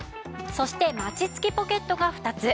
そしてマチ付きポケットが２つ。